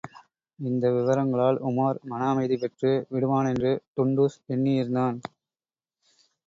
இந்த விவரங்களால் உமார் மனஅமைதி பெற்று விடுவானென்று டுன்டுஷ் எண்ணியிருந்தான்.